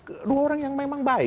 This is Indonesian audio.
kedua orang yang memang baik